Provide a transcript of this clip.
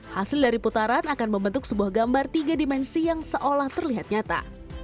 hasil dari putaran akan membentuk sebuah gambar tiga dimensi yang seolah terlihat nyata